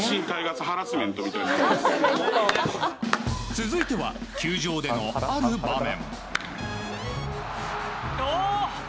続いては、球場でのある場面。